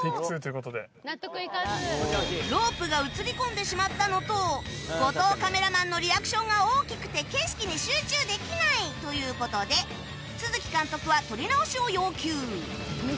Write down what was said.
ロープが映り込んでしまったのと後藤カメラマンのリアクションが大きくて景色に集中できない！という事で都築監督は撮り直しを要求